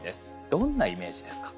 どんなイメージですか？